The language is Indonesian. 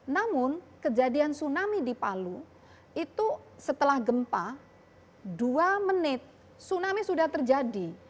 namun kejadian tsunami di palu itu setelah gempa dua menit tsunami sudah terjadi